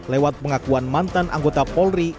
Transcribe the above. lewat pengakuan mantan anggota polri